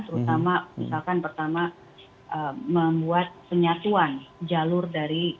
terutama misalkan pertama membuat penyatuan jalur dari